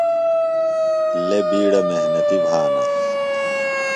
لے بِیڈہ محنتیۡ بھانہ۔